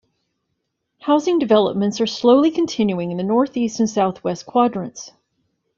Housing developments are slowly continuing in the north east and south west quadrants.